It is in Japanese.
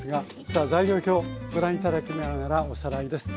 さあ材料表ご覧頂きながらおさらいです。